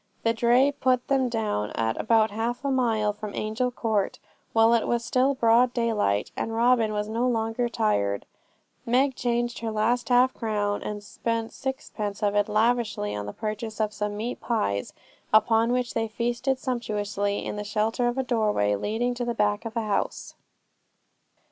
The dray put them down at about half a mile from Angel Court, while it was still broad daylight, and Robin was no longer tired. Meg changed her last half crown, and spent sixpence of it lavishly in the purchase of some meat pies, upon which they feasted sumptuously, in the shelter of a doorway leading to the back of a house.